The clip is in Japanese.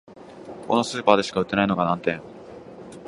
ここのスーパーでしか売ってないのが難点